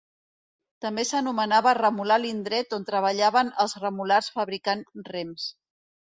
També s'anomenava remolar l'indret on treballaven els remolars fabricant rems.